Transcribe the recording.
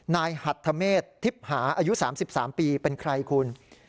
หัทธเมษทิพย์หาอายุ๓๓ปีเป็นใครคุณ